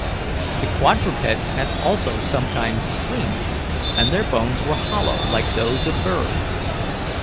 The quadrupeds had also sometimes wings, and their bones were hollow, like those of birds.